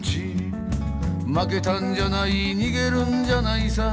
「負けたんじゃない逃げるんじゃないさ」